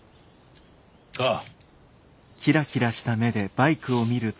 ああ。